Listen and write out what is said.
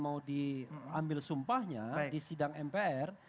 mau diambil sumpahnya di sidang mpr